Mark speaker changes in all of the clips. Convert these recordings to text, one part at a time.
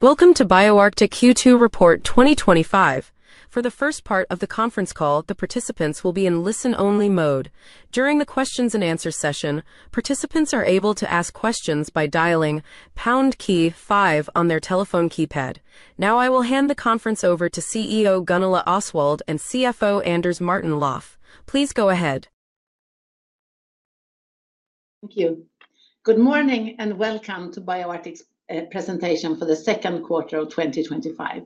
Speaker 1: Welcome to BioArctic Q2 Report 2025. For the first part of the conference call, the participants will be in listen-only mode. During the questions-and-answers session, participants are able to ask questions by dialing pound key five on their telephone keypad. Now, I will hand the conference over to CEO Gunilla Osswald and CFO Anders Martin-Löf. Please go ahead.
Speaker 2: Thank you. Good morning and welcome to BioArctic's Presentation for the Second Quarter of 2025.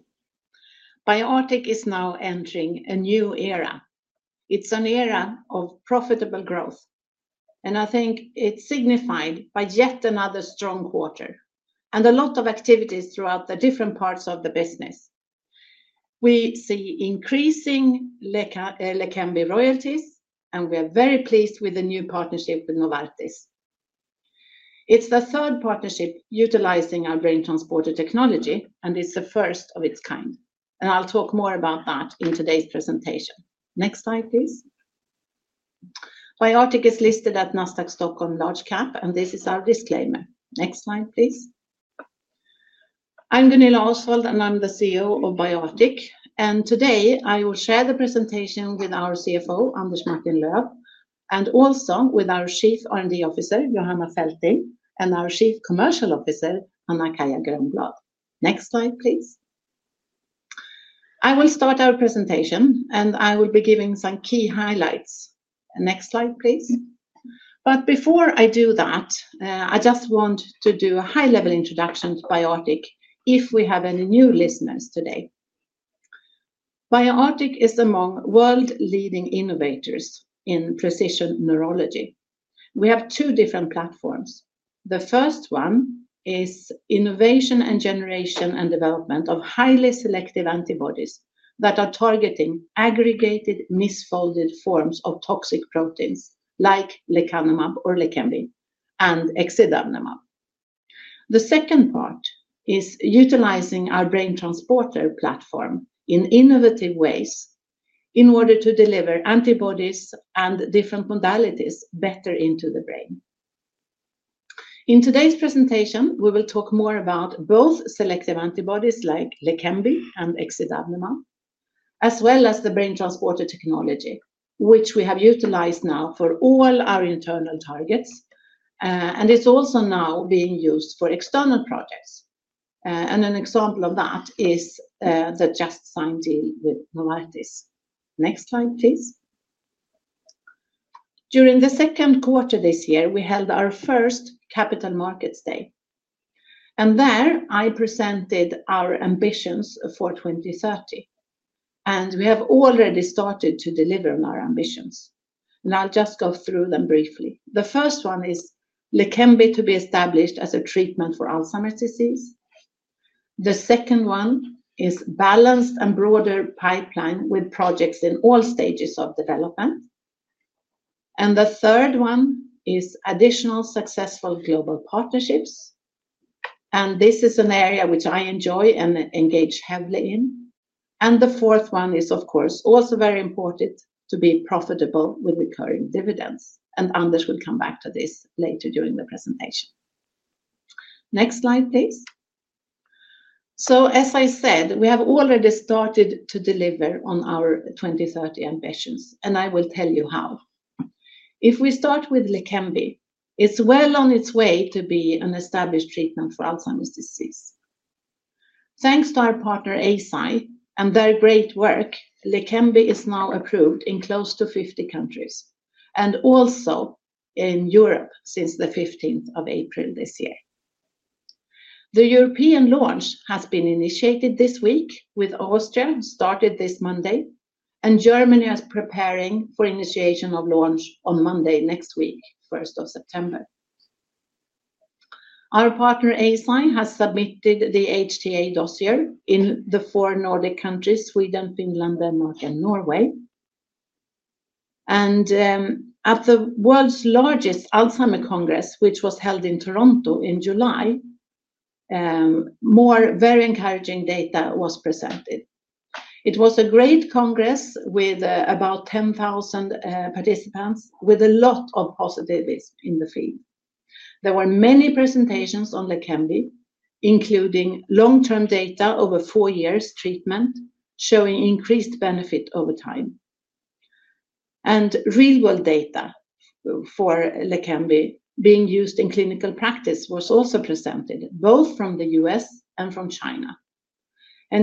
Speaker 2: BioArctic is now entering a new era. It's an era of profitable growth, and I think it's signified by yet another strong quarter and a lot of activities throughout the different parts of the business. We see increasing Leqembi royalties, and we are very pleased with the new partnership with Novartis. It's the third partnership utilizing our BrainTransporter technology, and it's the first of its kind. I'll talk more about that in today's presentation. Next slide, please. BioArctic is listed at Nasdaq Stockholm Large Cap, and this is our disclaimer. Next slide, please. I'm Gunilla Osswald, and I'm the CEO of BioArctic. Today, I will share the presentation with our CFO, Anders Martin-Löf, and also with our Chief R&D Officer, Johanna Fälting, and our Chief Commercial Officer, Anna-Kaija Grönblad. Next slide, please. I will start our presentation, and I will be giving some key highlights. Next slide, please. Before I do that, I just want to do a high-level introduction to BioArctic if we have any new listeners today. BioArctic is among world-leading innovators in precision neurology. We have two different platforms. The first one is innovation and generation and development of highly selective antibodies that are targeting aggregated misfolded forms of toxic proteins like Leqembi and exidavnemab. The second part is utilizing our BrainTransporter platform in innovative ways in order to deliver antibodies and different modalities better into the brain. In today's presentation, we will talk more about both selective antibodies like Leqembi and exidavnemab, as well as the BrainTransporter technology, which we have utilized now for all our internal targets, and it's also now being used for external projects. An example of that is the just signed deal with Novartis. Next slide, please. During the second quarter this year, we held our first Capital Markets Day, and there I presented our ambitions for 2030. We have already started to deliver on our ambitions. I'll just go through them briefly. The first one is Leqembi to be established as a treatment for Alzheimer's disease. The second one is a balanced and broader pipeline with projects in all stages of development. The third one is additional successful global partnerships. This is an area which I enjoy and engage heavily in. The fourth one is, of course, also very important to be profitable with recurring dividends. Anders will come back to this later during the presentation. Next slide, please. As I said, we have already started to deliver on our 2030 ambitions, and I will tell you how. If we start with Leqembi, it's well on its way to be an established treatment for Alzheimer's disease. Thanks to our partner Eisai and their great work, Leqembi is now approved in close to 50 countries and also in Europe since April 15, 2024. The European launch has been initiated this week with Austria started this Monday, and Germany is preparing for initiation of launch on Monday next week, September 1. Our partner Eisai has submitted the HTA dossier in the four Nordic countries: Sweden, Finland, Denmark, and Norway. At the world's largest Alzheimer's Congress, which was held in Toronto in July, more very encouraging data was presented. It was a great congress with about 10,000 participants, with a lot of positivity in the field. There were many presentations on Leqembi, including long-term data over four years' treatment showing increased benefit over time. Real-world data for Leqembi being used in clinical practice was also presented, both from the U.S. and from China.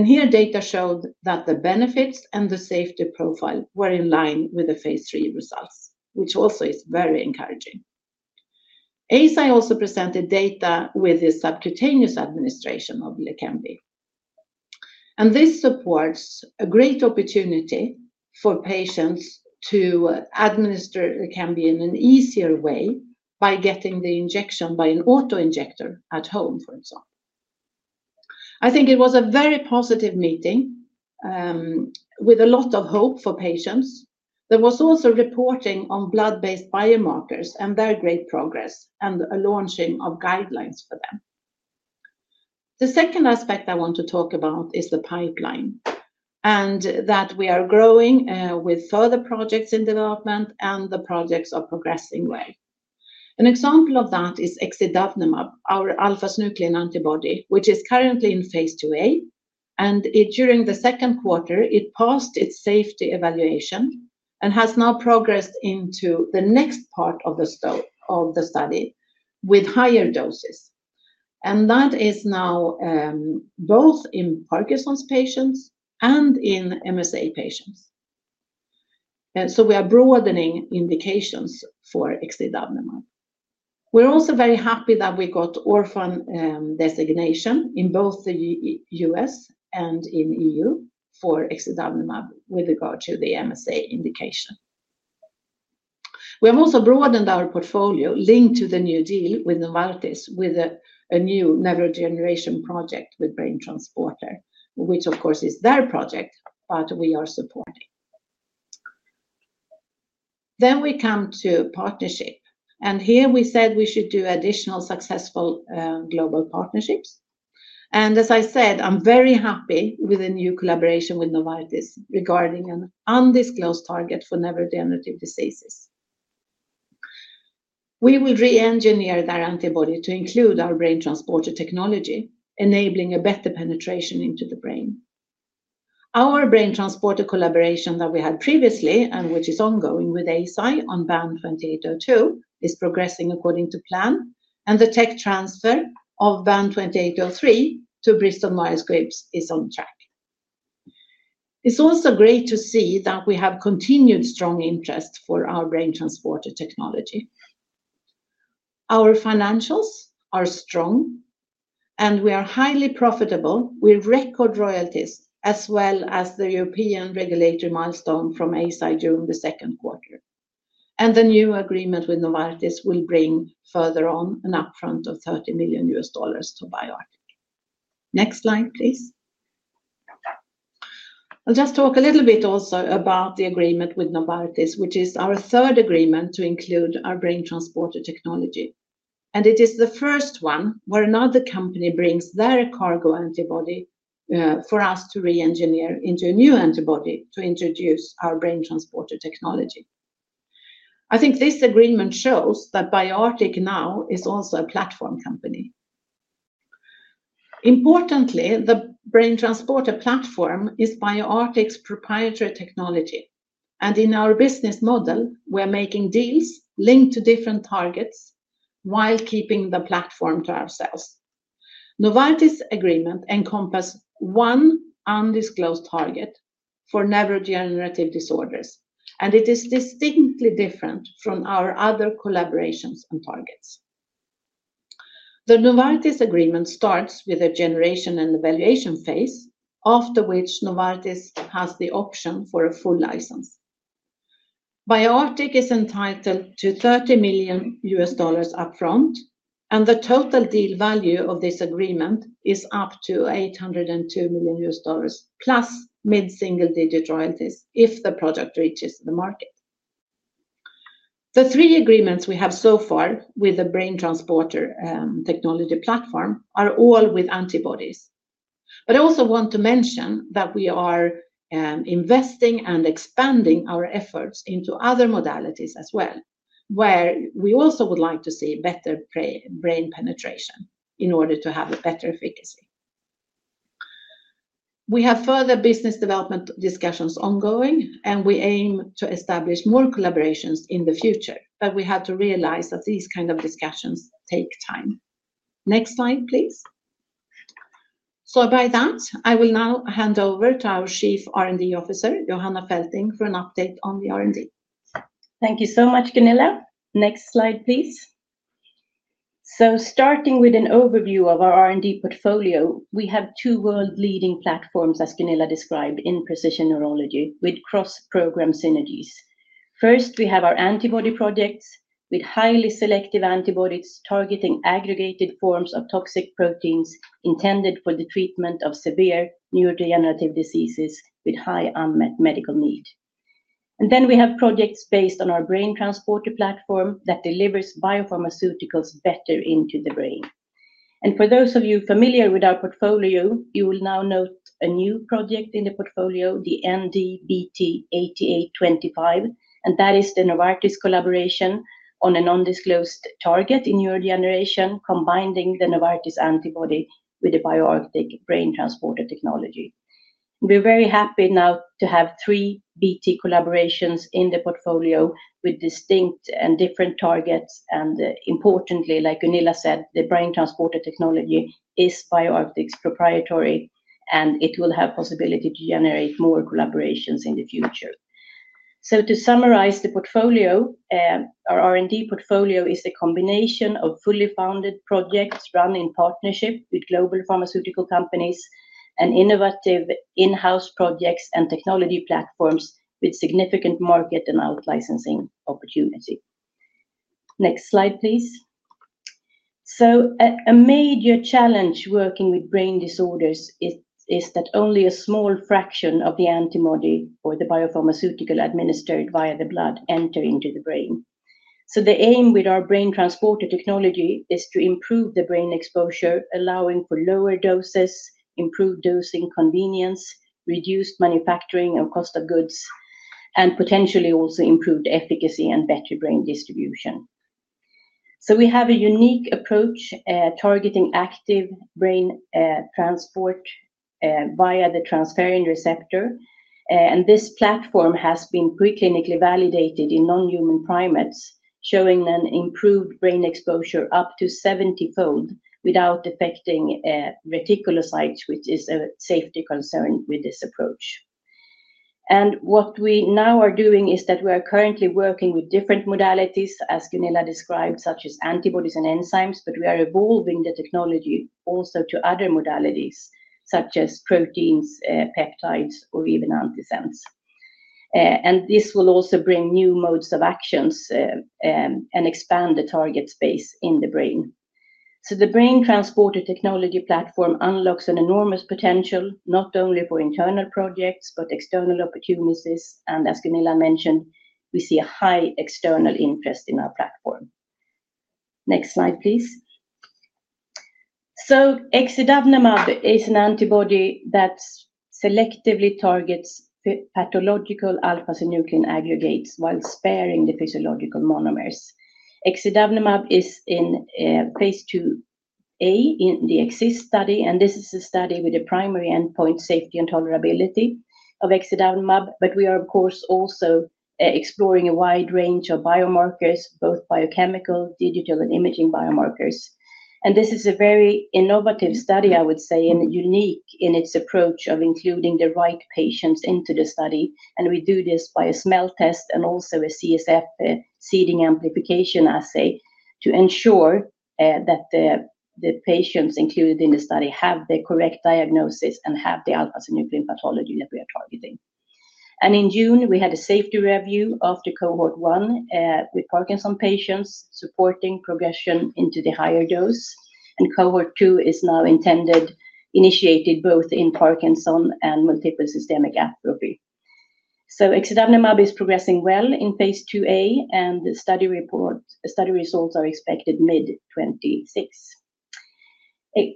Speaker 2: Here, data showed that the benefits and the safety profile were in line with the phase III results, which also is very encouraging. Eisai also presented data with the subcutaneous administration of Leqembi. This supports a great opportunity for patients to administer Leqembi in an easier way by getting the injection by an auto-injector at home, for example. I think it was a very positive meeting with a lot of hope for patients. There was also reporting on blood-based biomarkers and their great progress and the launching of guidelines for them. The second aspect I want to talk about is the pipeline and that we are growing with further projects in development and the projects are progressing well. An example of that is exidavnemab, our alpha-synuclein antibody, which is currently in phase II-A. During the second quarter, it passed its safety evaluation and has now progressed into the next part of the study with higher doses. That is now both in Parkinson's patients and in multiple system atrophy patients. We are broadening indications for exidavnemab. We're also very happy that we got orphan designation in both the U.S. and in EU for exidavnemab with regard to the multiple system atrophy indication. We have also broadened our portfolio linked to the new deal with Novartis with a new neurodegeneration project with BrainTransporter, which, of course, is their project, but we are supporting. We come to partnership. Here, we said we should do additional successful global partnerships. I'm very happy with the new collaboration with Novartis regarding an undisclosed target for neurodegenerative diseases. We will re-engineer their antibody to include our BrainTransporter technology, enabling better penetration into the brain. Our BrainTransporter collaboration that we had previously and which is ongoing with Eisai on BAN2802 is progressing according to plan. The tech transfer of BAN2803 to Bristol Myers Squibb is on track. It's also great to see that we have continued strong interest for our BrainTransporter technology. Our financials are strong, and we are highly profitable with record royalties as well as the European regulatory milestone from Eisai during the second quarter. The new agreement with Novartis will bring further on an upfront of $30 million to BioArctic. Next slide, please. I'll just talk a little bit also about the agreement with Novartis, which is our third agreement to include our BrainTransporter technology. It is the first one where another company brings their cargo antibody for us to re-engineer into a new antibody to introduce our BrainTransporter technology. I think this agreement shows that BioArctic now is also a platform company. Importantly, the BrainTransporter platform is BioArctic's proprietary technology. In our business model, we are making deals linked to different targets while keeping the platform to ourselves. Novartis' agreement encompasses one undisclosed target for neurodegenerative disorders. It is distinctly different from our other collaborations and targets. The Novartis agreement starts with a generation and evaluation phase, after which Novartis has the option for a full license. BioArctic is entitled to $30 million upfront. The total deal value of this agreement is up to $802 million plus mid-single-digit royalties if the project reaches the market. The three agreements we have so far with the BrainTransporter technology platform are all with antibodies. I also want to mention that we are investing and expanding our efforts into other modalities as well, where we also would like to see better brain penetration in order to have better efficacy. We have further business development discussions ongoing, and we aim to establish more collaborations in the future. We had to realize that these kinds of discussions take time. Next slide, please. By that, I will now hand over to our Chief R&D Officer, Johanna Fälting, for an update on the R&D.
Speaker 3: Thank you so much, Gunilla. Next slide, please. Starting with an overview of our R&D portfolio, we have two world-leading platforms, as Gunilla described, in precision neurology with cross-program synergies. First, we have our antibody projects with highly selective antibodies targeting aggregated forms of toxic proteins intended for the treatment of severe neurodegenerative diseases with high unmet medical need. We also have projects based on our BrainTransporter platform that delivers biopharmaceuticals better into the brain. For those of you familiar with our portfolio, you will now note a new project in the portfolio, the ND-BT8825. That is the Novartis collaboration on an undisclosed target in neurodegeneration, combining the Novartis antibody with the BioArctic BrainTransporter technology. We are very happy now to have three BrainTransporter collaborations in the portfolio with distinct and different targets. Importantly, like Gunilla said, the BrainTransporter technology is BioArctic's proprietary, and it will have the possibility to generate more collaborations in the future. To summarize the portfolio, our R&D portfolio is the combination of fully-funded projects run in partnership with global pharmaceutical companies and innovative in-house projects and technology platforms with significant market and out-licensing opportunity. Next slide, please. A major challenge working with brain disorders is that only a small fraction of the antibody or the biopharmaceutical administered via the blood enters into the brain. The aim with our BrainTransporter technology is to improve the brain exposure, allowing for lower doses, improved dosing convenience, reduced manufacturing and cost of goods, and potentially also improved efficacy and better brain distribution. We have a unique approach targeting active brain transport via the transferrin receptor. This platform has been preclinically validated in non-human primates, showing an improved brain exposure up to 70-fold without affecting reticulocytes, which is a safety concern with this approach. What we now are doing is that we are currently working with different modalities, as Gunilla described, such as antibodies and enzymes, but we are evolving the technology also to other modalities, such as proteins, peptides, or even antisense. This will also bring new modes of actions and expand the target space in the brain. The BrainTransporter technology platform unlocks an enormous potential not only for internal projects but external opportunities. As Gunilla mentioned, we see a high external interest in our platform. Next slide, please. Exidavnemab is an antibody that selectively targets pathological alpha-synuclein aggregates while sparing the physiological monomers. Exidavnemab is in phase II-A in the Axis study. This is a study with a primary endpoint, safety and tolerability of exidavnemab. We are, of course, also exploring a wide range of biomarkers, both biochemical, digital, and imaging biomarkers. This is a very innovative study, I would say, and unique in its approach of including the right patients into the study. We do this by a smell test and also a CSF seeding amplification assay to ensure that the patients included in the study have the correct diagnosis and have the alpha-synuclein pathology that we are targeting. In June, we had a safety review of the cohort one with Parkinson's patients supporting progression into the higher dose. Cohort two is now intended to be initiated both in Parkinson's and multiple system atrophy. Exidavnemab is progressing well in phase II-A, and study results are expected mid-2026.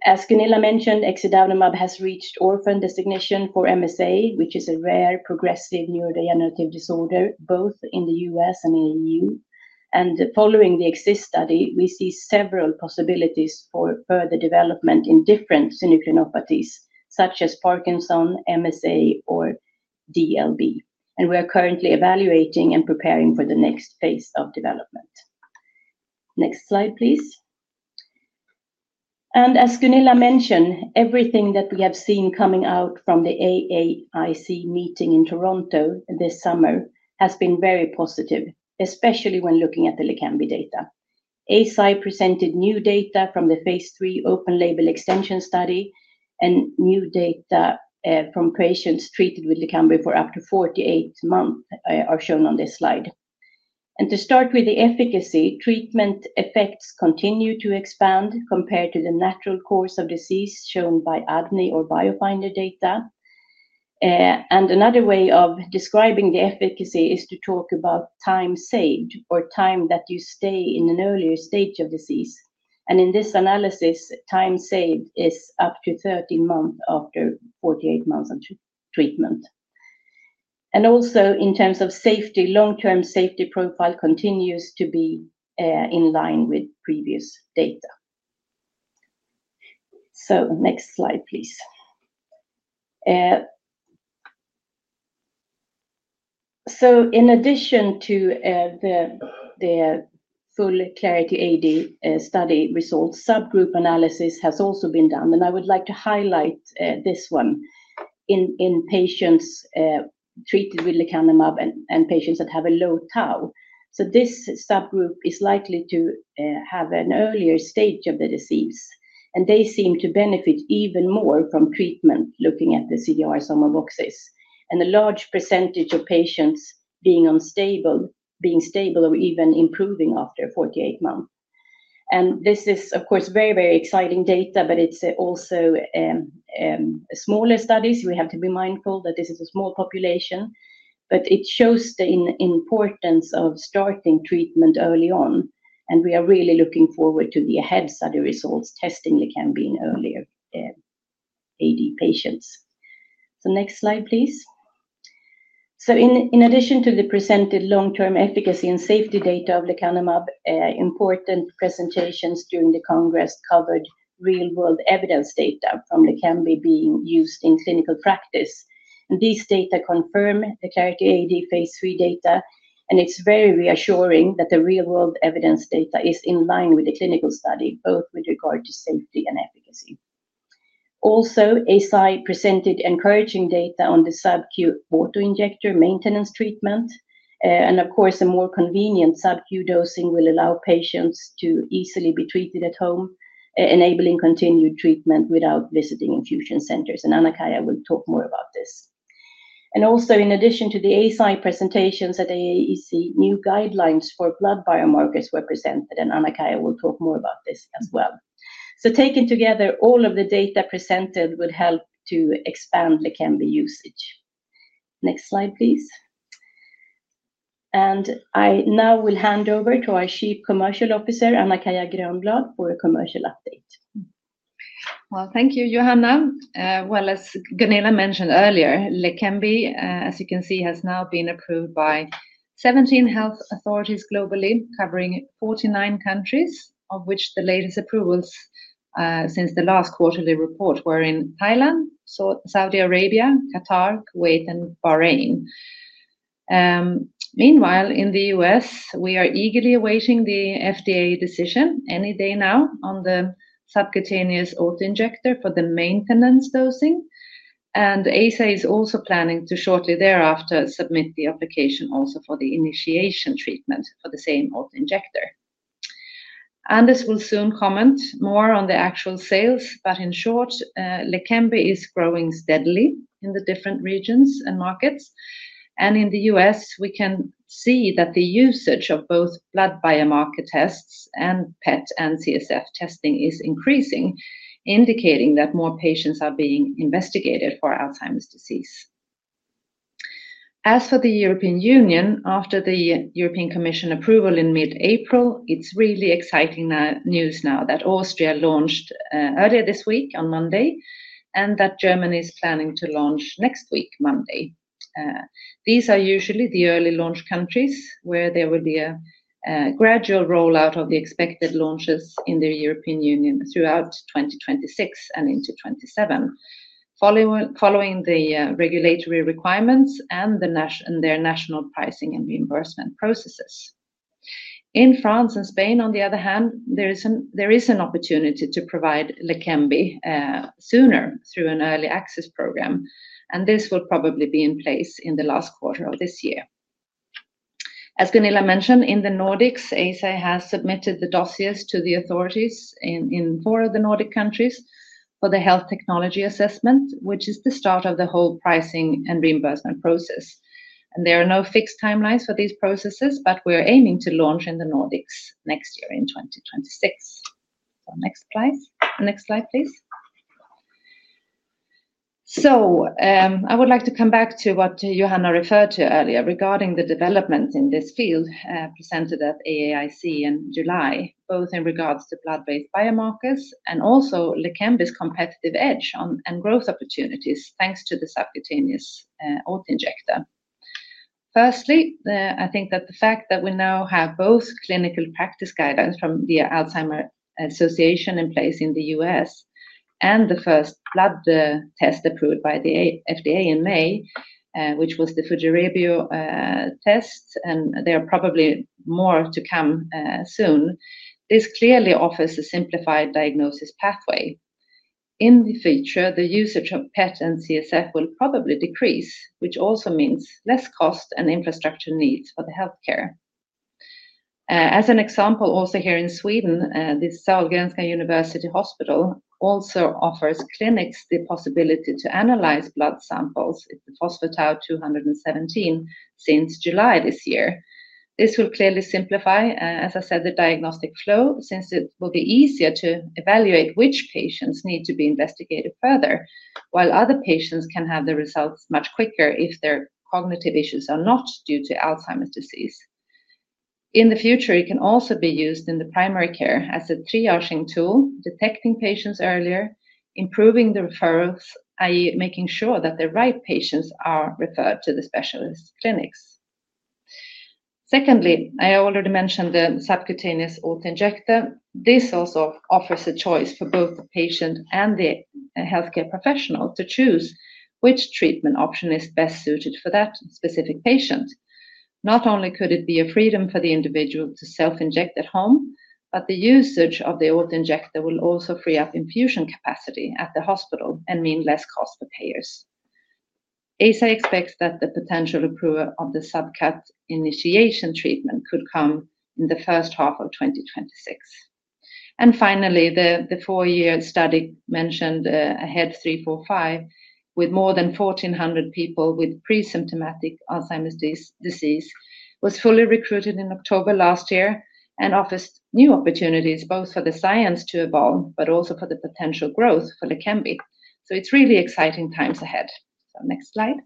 Speaker 3: As Gunilla mentioned, exidavnemab has reached orphan designation for multiple system atrophy, which is a rare progressive neurodegenerative disorder both in the U.S. and in the EU. Following the Axis study, we see several possibilities for further development in different synucleinopathies, such as Parkinson's, multiple system atrophy, or DLB. We are currently evaluating and preparing for the next phase of development. Next slide, please. As Gunilla mentioned, everything that we have seen coming out from the AAIC meeting in Toronto this summer has been very positive, especially when looking at the Leqembi data. Eisai presented new data from the phase III open-label extension study, and new data from patients treated with Leqembi for up to 48 months are shown on this slide. To start with the efficacy, treatment effects continue to expand compared to the natural course of disease shown by ADNI or BioFinder data. Another way of describing the efficacy is to talk about time saved or time that you stay in an earlier stage of disease. In this analysis, time saved is up to 13 months after 48 months of treatment. Also, in terms of safety, the long-term safety profile continues to be in line with previous data. Next slide, please. In addition to the full Clarity AD study results, subgroup analysis has also been done. I would like to highlight this one in patients treated with Leqembi and patients that have a low tau. This subgroup is likely to have an earlier stage of the disease. They seem to benefit even more from treatment, looking at the CDR-SB boxes, and a large percentage of patients being stable or even improving after 48 months. This is, of course, very, very exciting data, but it's also a smaller study. We have to be mindful that this is a small population. It shows the importance of starting treatment early on. We are really looking forward to the AHEAD study results testing Leqembi in earlier AD patients. Next slide, please. In addition to the presented long-term efficacy and safety data of lecanemab, important presentations during the congress covered real-world evidence data from Leqembi being used in clinical practice. These data confirm the Clarity AD phase III data. It's very reassuring that the real-world evidence data is in line with the clinical study, both with regard to safety and efficacy. Also, Eisai presented encouraging data on the subcutaneous auto-injector maintenance treatment. A more convenient subcutaneous dosing will allow patients to easily be treated at home, enabling continued treatment without visiting infusion centers. Anna-Kaija will talk more about this. In addition to the Eisai presentations at the AAIC, new guidelines for blood-based biomarkers were presented. Anna-Kaija will talk more about this as well. Taken together, all of the data presented would help to expand Leqembi usage. Next slide, please. I now will hand over to our Chief Commercial Officer, Anna-Kaija Grönblad, for a commercial update.
Speaker 4: Thank you, Johanna. As Gunilla mentioned earlier, Leqembi, as you can see, has now been approved by 17 health authorities globally, covering 49 countries, of which the latest approvals since the last quarterly report were in Thailand, Saudi Arabia, Qatar, Kuwait, and Bahrain. Meanwhile, in the U.S., we are eagerly awaiting the FDA decision any day now on the subcutaneous auto-injector for the maintenance dosing. Eisai is also planning to shortly thereafter submit the application also for the initiation treatment for the same auto-injector. Anders will soon comment more on the actual sales. In short, Leqembi is growing steadily in the different regions and markets. In the U.S., we can see that the usage of both blood-based biomarker tests and PET and CSF testing is increasing, indicating that more patients are being investigated for Alzheimer's disease. As for the EU, after the European Commission approval in mid-April, it's really exciting news now that Austria launched earlier this week on Monday and that Germany is planning to launch next week, Monday. These are usually the early launch countries where there will be a gradual rollout of the expected launches in the EU throughout 2026 and into 2027, following the regulatory requirements and their national pricing and reimbursement processes. In France and Spain, on the other hand, there is an opportunity to provide Leqembi sooner through an early access program. This will probably be in place in the last quarter of this year. As Gunilla mentioned, in the Nordics, Eisai has submitted the dossiers to the authorities in four of the Nordic countries for the health technology assessment, which is the start of the whole pricing and reimbursement process. There are no fixed timelines for these processes, but we are aiming to launch in the Nordics next year in 2026. Next slide, please. I would like to come back to what Johanna referred to earlier regarding the developments in this field presented at AAIC in July, both in regards to blood-based biomarkers and also Leqembi's competitive edge and growth opportunities thanks to the subcutaneous auto-injector. Firstly, I think that the fact that we now have both clinical practice guidance from the Alzheimer's Association in place in the U.S. and the first blood test approved by the FDA in May, which was the Fujirebio test, and there are probably more to come soon, this clearly offers a simplified diagnosis pathway. In the future, the usage of PET and CSF will probably decrease, which also means less cost and infrastructure needs for the health care. As an example, also here in Sweden, the Sahlgrenska University Hospital also offers clinics the possibility to analyze blood samples with the phosphatide 217 since July this year. This will clearly simplify, as I said, the diagnostic flow since it will be easier to evaluate which patients need to be investigated further, while other patients can have the results much quicker if their cognitive issues are not due to Alzheimer's disease. In the future, it can also be used in the primary care as a triaging tool, detecting patients earlier, improving the referrals, i.e., making sure that the right patients are referred to the specialist clinics. Secondly, I already mentioned the subcutaneous auto-injector. This also offers a choice for both the patient and the health care professional to choose which treatment option is best suited for that specific patient. Not only could it be a freedom for the individual to self-inject at home, but the usage of the auto-injector will also free up infusion capacity at the hospital and mean less cost for payers. Eisai expects that the potential approval of the subcutaneous initiation treatment could come in the first half of 2026. Finally, the four-year study mentioned ahead 345 with more than 1,400 people with pre-symptomatic Alzheimer's disease was fully recruited in October last year and offers new opportunities both for the science to evolve but also for the potential growth for Leqembi. It's really exciting times ahead. Next slide.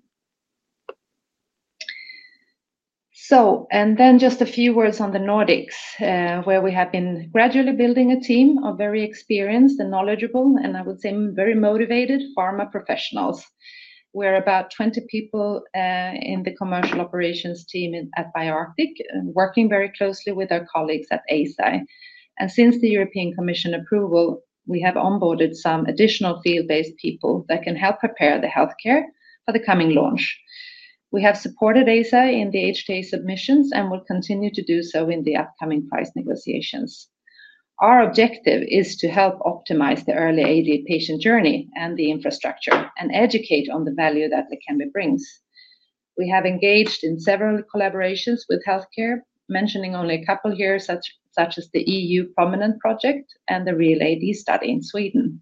Speaker 4: Just a few words on the Nordics, where we have been gradually building a team of very experienced and knowledgeable, and I would say very motivated pharma professionals. We're about 20 people in the commercial operations team at BioArctic and working very closely with our colleagues at Eisai. Since the European Commission approval, we have onboarded some additional field-based people that can help prepare the health care for the coming launch. We have supported Eisai in the HTA submissions and will continue to do so in the upcoming price negotiations. Our objective is to help optimize the early AD patient journey and the infrastructure and educate on the value that Leqembi brings. We have engaged in several collaborations with health care, mentioning only a couple here, such as the EU Prominent Project and the Real AD study in Sweden.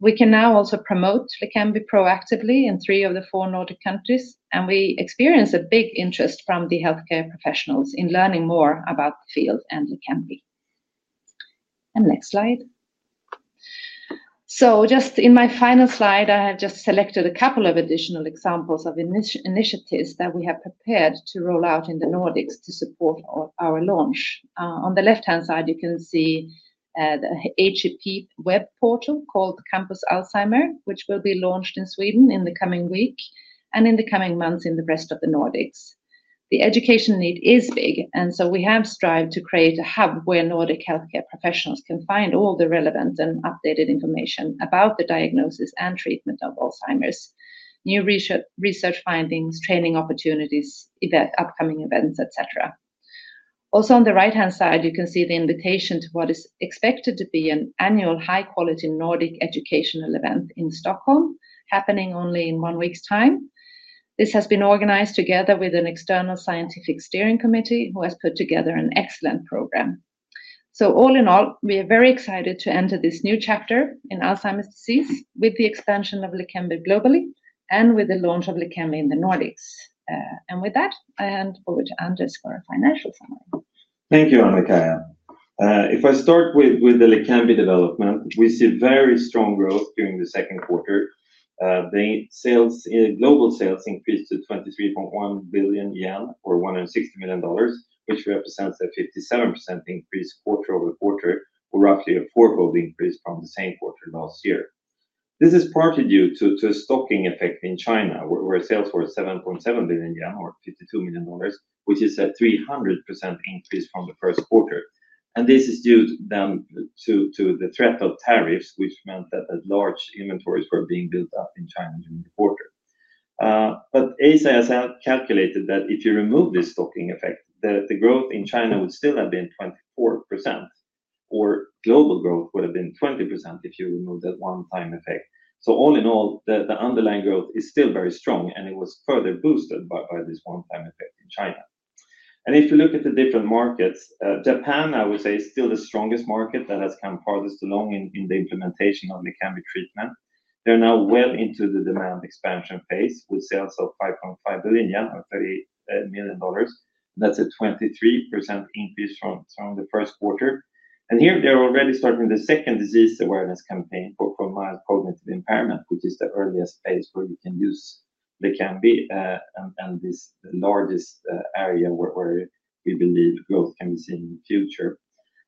Speaker 4: We can now also promote Leqembi proactively in three of the four Nordic countries. We experience a big interest from the health care professionals in learning more about the field and Leqembi. Next slide. Just in my final slide, I have just selected a couple of additional examples of initiatives that we have prepared to roll out in the Nordics to support our launch. On the left-hand side, you can see the HCP web portal called Campus Alzheimer, which will be launched in Sweden in the coming week and in the coming months in the rest of the Nordics. The education need is big, and we have strived to create a hub where Nordic health care professionals can find all the relevant and updated information about the diagnosis and treatment of Alzheimer's, new research findings, training opportunities, upcoming events, etc. Also, on the right-hand side, you can see the invitation to what is expected to be an annual high-quality Nordic educational event in Stockholm, happening only in one week's time. This has been organized together with an external scientific steering committee who has put together an excellent program. All in all, we are very excited to enter this new chapter in Alzheimer's disease with the expansion of Leqembi globally and with the launch of Leqembi in the Nordics. With that, I hand over to Anders for our final.
Speaker 5: Thank you, Anna-Kaija. If I start with the Leqembi development, we see very strong growth during the second quarter. The global sales increased to 23.1 billion yen or $160 million, which represents a 57% increase quarter-over-quarter, or roughly a quarter of the increase from the same quarter last year. This is partly due to a stocking effect in China, where sales were 7.7 billion yen or $52 million, which is a 300% increase from the first quarter. This is due to the threat of tariffs, which meant that large inventories were being built up in China during the quarter. BioArctic has calculated that if you remove this stocking effect, the growth in China would still have been 24%, or global growth would have been 20% if you remove that one-time effect. All in all, the underlying growth is still very strong, and it was further boosted by this one-time effect in China. If you look at the different markets, Japan, I would say, is still the strongest market that has come farthest along in the implementation of Leqembi treatment. They're now well into the demand expansion phase with sales of 5.5 billion yen or $38 million. That's a 23% increase from the first quarter. Here, they're already starting the second disease awareness campaign for mild cognitive impairment, which is the earliest phase where you can use Leqembi and this largest area where we believe growth can be seen in the future.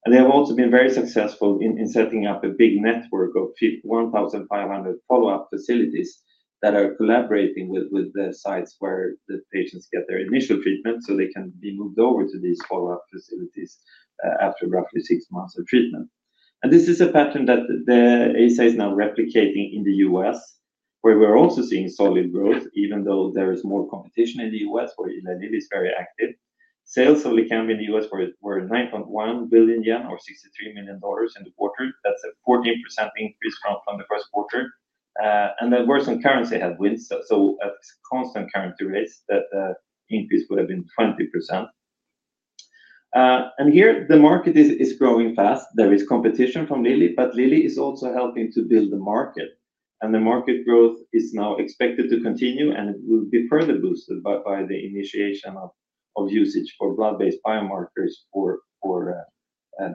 Speaker 5: They have also been very successful in setting up a big network of 1,500 follow-up facilities that are collaborating with the sites where the patients get their initial treatment so they can be moved over to these follow-up facilities after roughly six months of treatment. This is a pattern that BioArctic is now replicating in the U.S., where we're also seeing solid growth, even though there is more competition in the U.S., where in the Middle East, it's very active. Sales of Leqembi in the U.S. were 9.1 billion yen or $63 million in the quarter. That's a 14% increase from the first quarter. There were some currency headwinds. At constant currency rates, the increase would have been 20%. Here, the market is growing fast. There is competition from Lilly, but Lilly is also helping to build the market. The market growth is now expected to continue, and it will be further boosted by the initiation of usage for blood-based biomarkers for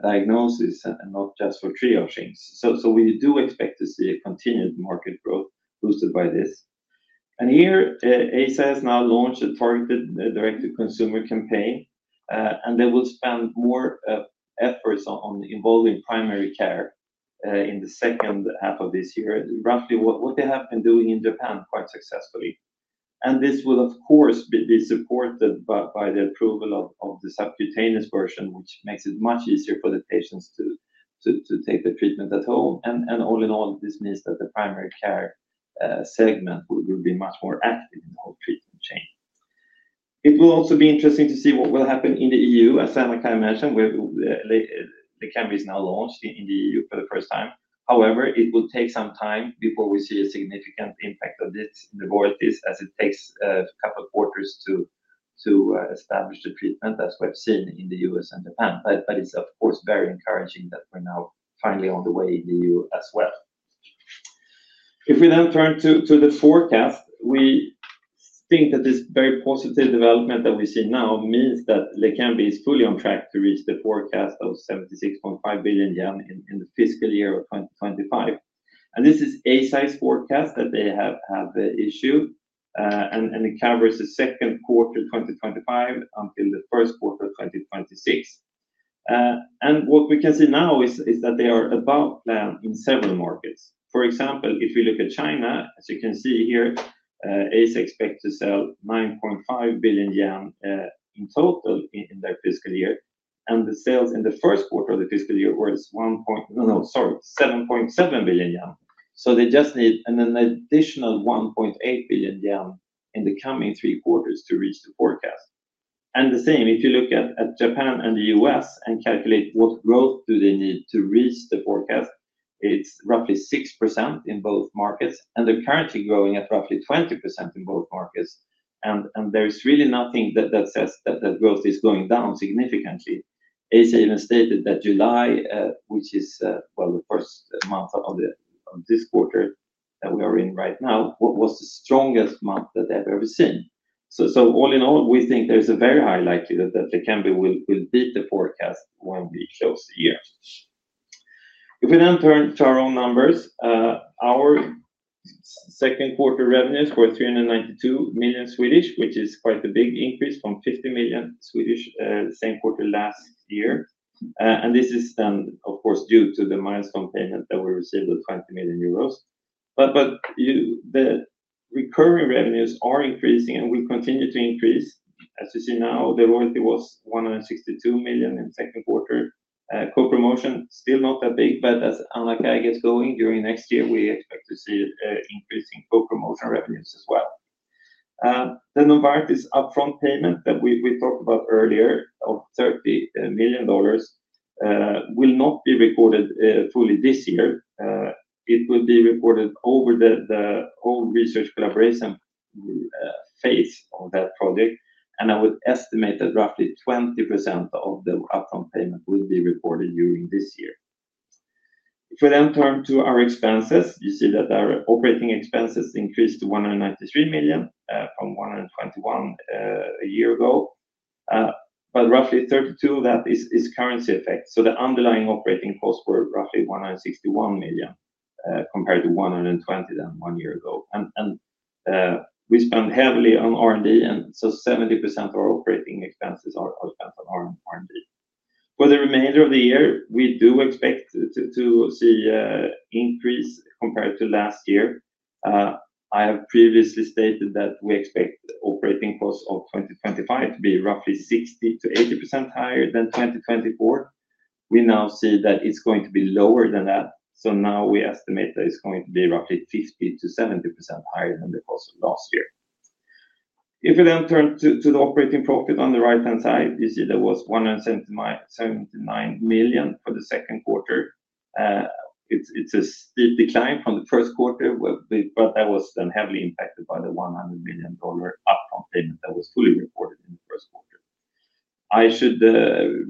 Speaker 5: diagnosis and not just for triaging. We do expect to see a continued market growth boosted by this. Here, Eisai has now launched a targeted direct-to-consumer campaign. They will spend more efforts on involving primary care in the second half of this year, roughly what they have been doing in Japan quite successfully. This will, of course, be supported by the approval of the subcutaneous version, which makes it much easier for the patients to take the treatment at home. All in all, this means that the primary care segment will be much more active in the whole treatment chain. It will also be interesting to see what will happen in the EU, as Anna-Kaija mentioned, where Leqembi is now launched in the EU for the first time. However, it will take some time before we see a significant impact of this in the world, as it takes a couple of quarters to establish the treatment. That's what we've seen in the U.S. and Japan. It is, of course, very encouraging that we're now finally on the way in the EU as well. If we now turn to the forecast, we think that this very positive development that we've seen now means that Leqembi is fully on track to reach the forecast of 76.5 billion yen in the fiscal year of 2025. This is Eisai's forecast that they have issued, and it covers the second quarter of 2025 until the first quarter of 2026. What we can see now is that they are above plan in several markets. For example, if we look at China, as you can see here, Eisai expects to sell 9.5 billion yen in total in that fiscal year. The sales in the first quarter of the fiscal year were 1.7 billion yen, so they just need an additional 1.8 billion yen in the coming three quarters to reach the forecast. The same, if you look at Japan and the U.S. and calculate what growth they need to reach the forecast, it's roughly 6% in both markets. They're currently growing at roughly 20% in both markets, and there's really nothing that says that growth is going down significantly. Eisai even stated that July, which is the month of this quarter that we are in right now, was the strongest month that they have ever seen. All in all, we think there's a very high likelihood that Leqembi will beat the forecast when we close the year. If we then turn to our own numbers, our second quarter revenues were 392 million, which is quite a big increase from 50 million the same quarter last year. This is then, of course, due to the milestone payment that we received of 20 million euros. The recurring revenues are increasing and will continue to increase. As you see now, the royalty was 162 million in the second quarter. Co-promotion is still not that big. As Anna-Kaija gets going during next year, we expect to see increasing co-promotion revenues as well. The Novartis upfront payment that we talked about earlier of $30 million will not be reported fully this year. It will be reported over the whole research collaboration phase on that project. I would estimate that roughly 20% of the upfront payment will be reported during this year. If we then turn to our expenses, you see that our operating expenses increased to 193 million from 121 million a year ago. Roughly 32 million of that is currency effect. The underlying operating costs were roughly 161 million compared to 120 million one year ago. We spend heavily on R&D, and 70% of our operating expenses are spent on R&D. For the remainder of the year, we do expect to see an increase compared to last year. I have previously stated that we expect operating costs of 2025 to be roughly 60%-80% higher than 2024. We now see that it's going to be lower than that. We estimate that it's going to be roughly 50%-70% higher than the cost of last year. If we then turn to the operating profit on the right-hand side, you see there was 179 million for the second quarter. It's a steep decline from the first quarter, but that was then heavily impacted by the $100 million upfront payment that was fully reported in the first quarter. I should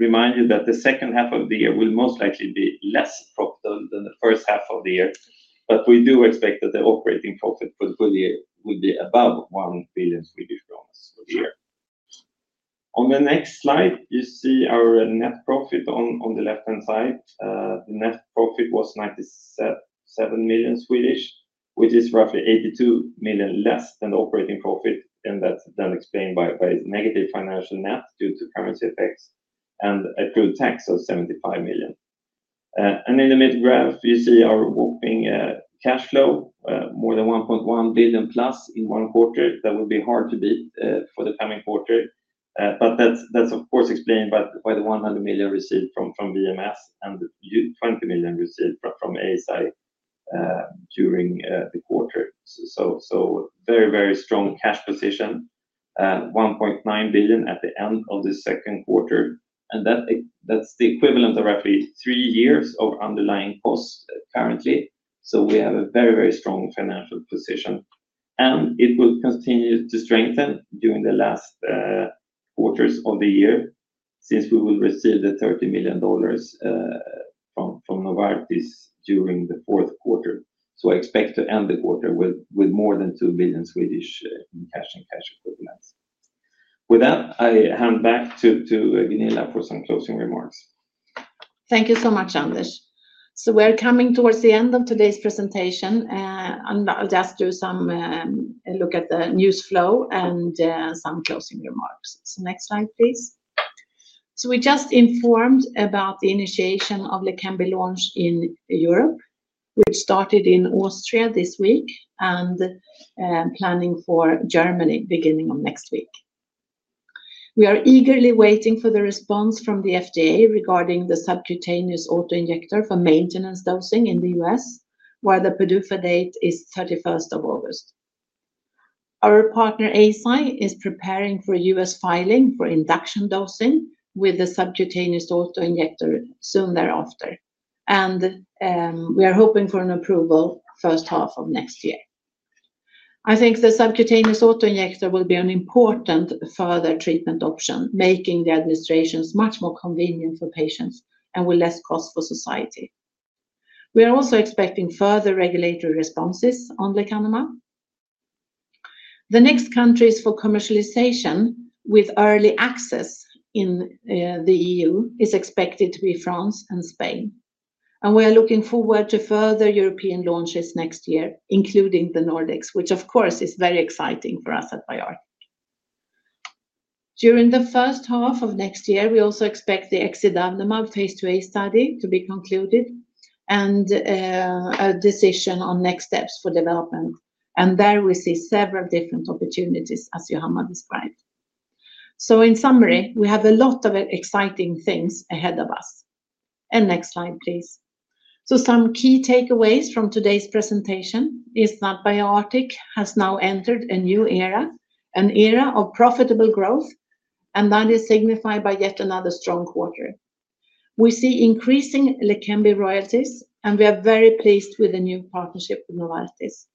Speaker 5: remind you that the second half of the year will most likely be less profitable than the first half of the year. We do expect that the operating profit will be above SEK 1 billion for the year. On the next slide, you see our net profit on the left-hand side. The net profit was 97 million, which is roughly 82 million less than the operating profit. That's then explained by negative financial net due to currency effects and accrued tax of 75 million. In the mid-graph, you see our whopping cash flow, more than +1.1 billion in one quarter. That would be hard to beat for the coming quarter. That's, of course, explained by the $100 million received from Bristol Myers Squibb and the $20 million received from Eisai during the quarter. A very, very strong cash position, 1.9 billion at the end of the second quarter. That's the equivalent of roughly three years of underlying costs currently. We have a very, very strong financial position. It will continue to strengthen during the last quarters of the year since we will receive the $30 million from Novartis during the fourth quarter. I expect to end the quarter with more than 2 billion in cash equivalents. With that, I hand back to Gunilla for some closing remarks.
Speaker 2: Thank you so much, Anders. We're coming towards the end of today's presentation. I'll just do some look at the news flow and some closing remarks. Next slide, please. We just informed about the initiation of Leqembi launch in Europe. We've started in Austria this week and are planning for Germany beginning of next week. We are eagerly waiting for the response from the FDA regarding the subcutaneous auto-injector for maintenance dosing in the U.S., where the PDUFA date is August 31. Our partner Eisai is preparing for a U.S. filing for induction dosing with the subcutaneous auto-injector soon thereafter. We are hoping for an approval first half of next year. I think the subcutaneous auto-injector will be an important further treatment option, making the administrations much more convenient for patients and with less cost for society. We are also expecting further regulatory responses on Leqembi. The next countries for commercialization with early access in the EU are expected to be France and Spain. We are looking forward to further European launches next year, including the Nordics, which, of course, is very exciting for us at BioArctic. During the first half of next year, we also expect the exidavnemab phase II-A study to be concluded and a decision on next steps for development. There we see several different opportunities, as Johanna described. In summary, we have a lot of exciting things ahead of us. Next slide, please. Some key takeaways from today's presentation are that BioArctic has now entered a new era, an era of profitable growth. That is signified by yet another strong quarter. We see increasing Leqembi royalties, and we are very pleased with the new partnership with Novartis.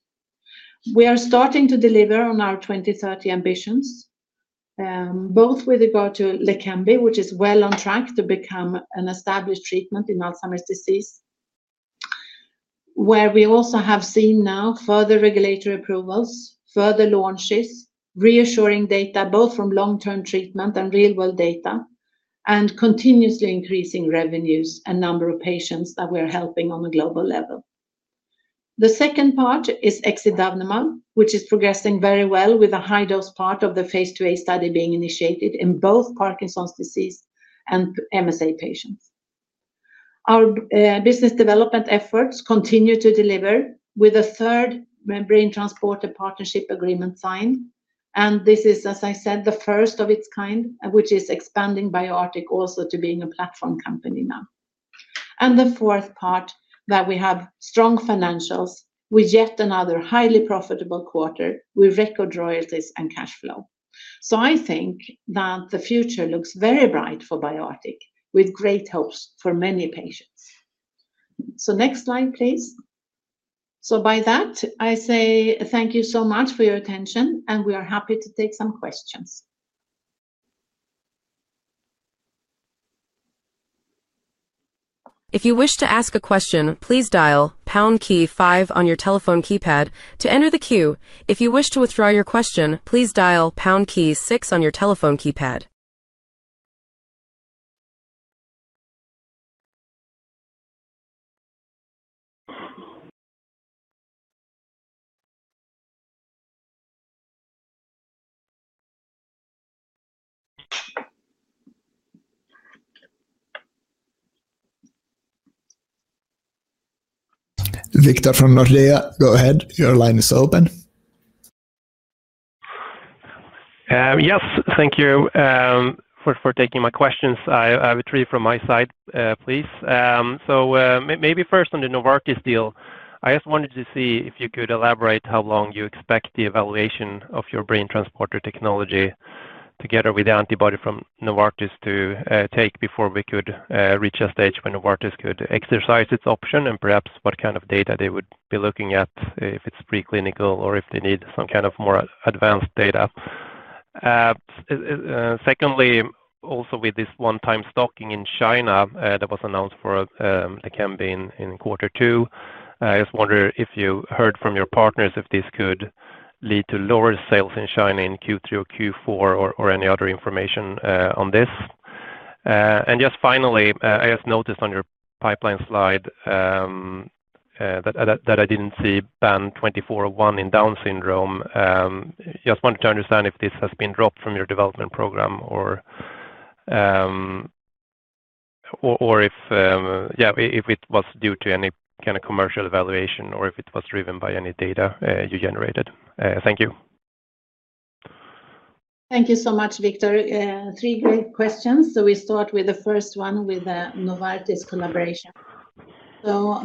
Speaker 2: We are starting to deliver on our 2030 ambitions, both with regard to Leqembi, which is well on track to become an established treatment in Alzheimer's disease, where we also have seen now further regulatory approvals, further launches, reassuring data both from long-term treatment and real-world data, and continuously increasing revenues and number of patients that we're helping on a global level. The second part is exidavnemab, which is progressing very well with a high-dose part of the phase II-A study being initiated in both Parkinson's disease and multiple system atrophy patients. Our business development efforts continue to deliver with a third BrainTransporter partnership agreement signed. This is, as I said, the first of its kind, which is expanding BioArctic also to being a platform company now. The fourth part is that we have strong financials with yet another highly profitable quarter with record royalties and cash flow. I think that the future looks very bright for BioArctic with great hopes for many patients. Next slide, please. By that, I say thank you so much for your attention. We are happy to take some questions.
Speaker 1: If you wish to ask a question, please dial pound key five on your telephone keypad to enter the queue. If you wish to withdraw your question, please dial pound key six on your telephone keypad.
Speaker 6: Viktor from Nordea, go ahead. Your line is open.
Speaker 7: Yes, thank you for taking my questions. I have three from my side, please. First, on the Novartis deal, I just wanted to see if you could elaborate how long you expect the evaluation of your BrainTransporter technology together with the antibody from Novartis to take before we could reach a stage where Novartis could exercise its option and perhaps what kind of data they would be looking at, if it's preclinical or if they need some kind of more advanced data. Secondly, also with this one-time stocking in China that was announced for Leqembi in Q2, I just wonder if you heard from your partners if this could lead to lower sales in China in Q3 or Q4 or any other information on this. Finally, I just noticed on your pipeline slide that I didn't see BAN2802 in Down syndrome. I just wanted to understand if this has been dropped from your development program or if it was due to any kind of commercial evaluation or if it was driven by any data you generated. Thank you.
Speaker 2: Thank you so much, Viktor. Three very quick questions. We start with the first one with the Novartis collaboration. The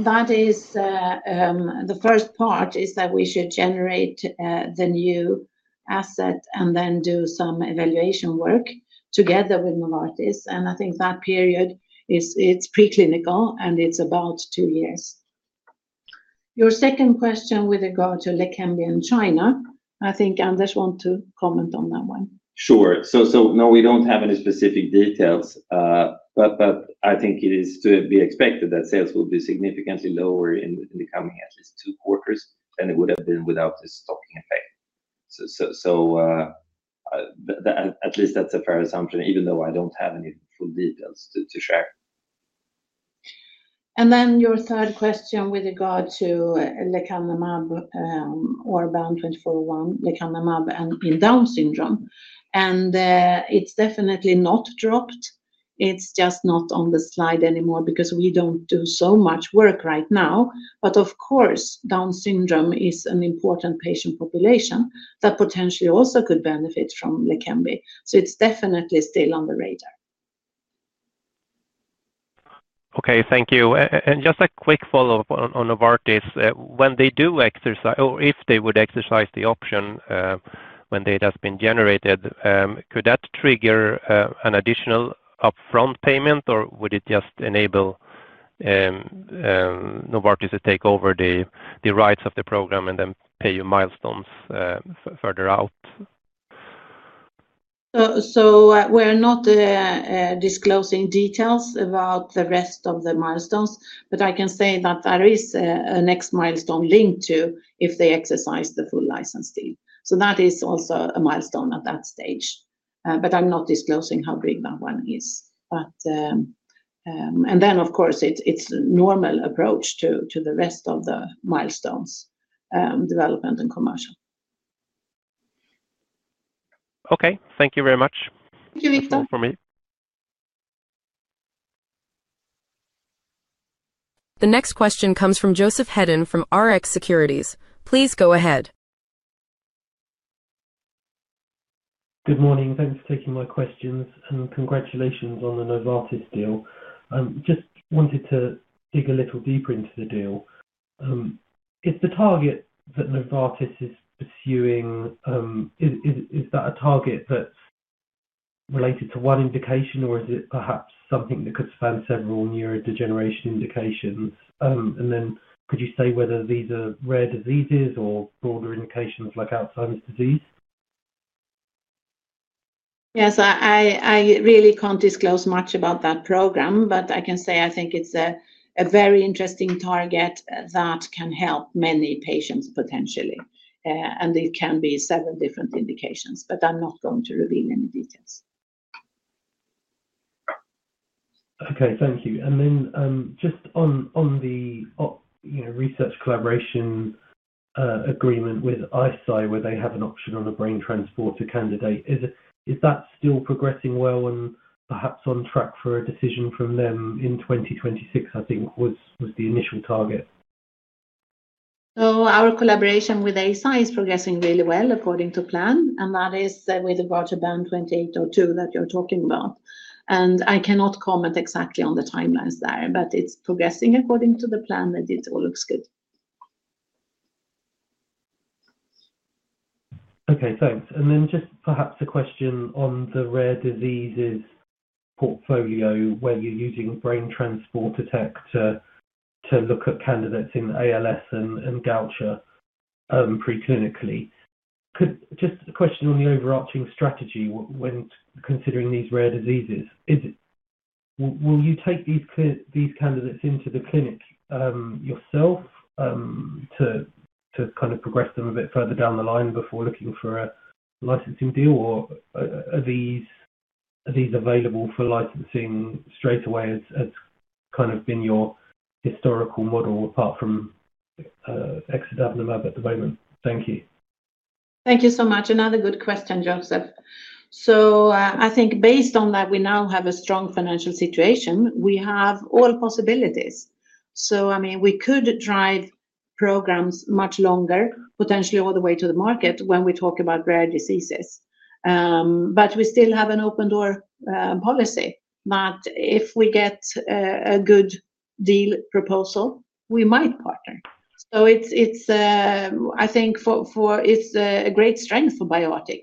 Speaker 2: first part is that we should generate the new asset and then do some evaluation work together with Novartis. I think that period is preclinical and it's about two years. Your second question with regard to Leqembi in China, I think Anders wants to comment on that one.
Speaker 5: No, we don't have any specific details. I think it is to be expected that sales will be significantly lower in the coming two quarters than it would have been without this stocking effect. At least that's a fair assumption, even though I don't have any full details to share.
Speaker 2: Your third question with regard to Leqembi or BAN2401 lecanemab in Down syndrome. It's definitely not dropped. It's just not on the slide anymore because we don't do so much work right now. Of course, Down syndrome is an important patient population that potentially also could benefit from Leqembi. It's definitely still on the radar.
Speaker 7: OK, thank you. Just a quick follow-up on Novartis. When they do exercise or if they would exercise the option when data has been generated, could that trigger an additional upfront payment, or would it just enable Novartis to take over the rights of the program and then pay you milestones further out?
Speaker 2: We're not disclosing details about the rest of the milestones. I can say that there is a next milestone linked to if they exercise the full license deal. That is also a milestone at that stage. I'm not disclosing how big that one is. Of course, it's a normal approach to the rest of the milestones, development and commercial.
Speaker 7: OK, thank you very much.
Speaker 2: Thank you, Viktor.
Speaker 5: For me.
Speaker 1: The next question comes from Joseph Hedden from Rx Securities. Please go ahead.
Speaker 8: Good morning. Thanks for taking my questions and congratulations on the Novartis deal. I just wanted to dig a little deeper into the deal. Is the target that Novartis is pursuing, is that a target that's related to one indication or is it perhaps something that could span several neurodegeneration indications? Could you say whether these are rare diseases or broader indications like Alzheimer's disease?
Speaker 2: Yes, I really can't disclose much about that program. I can say I think it's a very interesting target that can help many patients potentially. These can be several different indications. I'm not going to reveal any details.
Speaker 8: Thank you. Just on the research collaboration agreement with Novartis, where they have an option on a BrainTransporter candidate, is that still progressing well and on track for a decision from them in 2026? I think that was the initial target.
Speaker 2: Our collaboration with Eisai is progressing really well according to plan. That is with regard to BAN2802 that you're talking about. I cannot comment exactly on the timelines there, but it's progressing according to the plan and it all looks good.
Speaker 8: OK, thanks. Perhaps a question on the rare diseases portfolio where you're using BrainTransporter technology to look at candidates in ALS and Gaucher preclinically. Just a question on the overarching strategy when considering these rare diseases. Will you take these candidates into the clinic yourself to kind of progress them a bit further down the line before looking for a licensing deal? Or are these available for licensing straight away as kind of been your historical model apart from exidavnemab at the moment? Thank you.
Speaker 2: Thank you so much. Another good question, Joseph. I think based on that, we now have a strong financial situation. We have all possibilities. I mean, we could drive programs much longer, potentially all the way to the market when we talk about rare diseases. We still have an open-door policy. If we get a good deal proposal, we might partner. I think it's a great strength for BioArctic